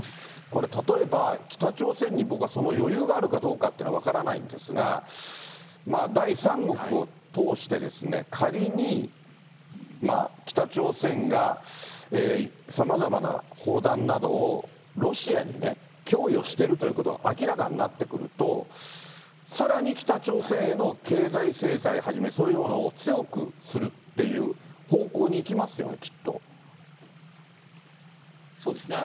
これ、例えば、北朝鮮にその余裕があるかどうかというのは分からないんですが、第三国を通して、仮に北朝鮮がさまざまな砲弾などをロシアに供与しているということが明らかになってくると、さらに北朝鮮への経済制裁はじめ、そういうものを強くするっていう方向に行きますよね、そうですね。